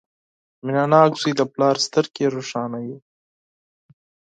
• مینهناک زوی د پلار سترګې روښانوي.